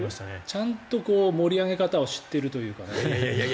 ちゃんと盛り上げ方を知っているというかね。